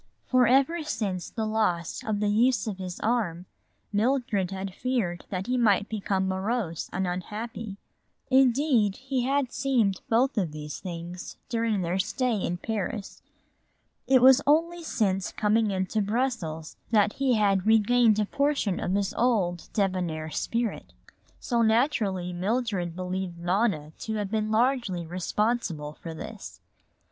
For ever since the loss of the use of his arm Mildred had feared that he might become morose and unhappy. Indeed, he had seemed both of these things during their stay in Paris. It was only since coming into Brussels that he had regained a portion of his old debonair spirit. So naturally Mildred believed Nona to have been largely responsible for this.